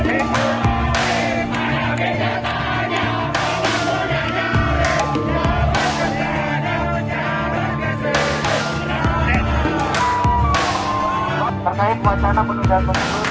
kalau pemerintah kita bapak hari ini mengumumkan bisnis